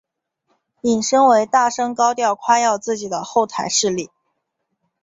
引申为大声高调夸耀自己的后台势力。